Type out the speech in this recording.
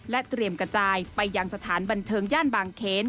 เตรียมกระจายไปยังสถานบันเทิงย่านบางเขน